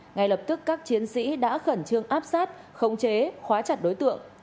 ngay lập tức các chiến sĩ đã khẩn trương áp sát khống chế khóa chặt đối tượng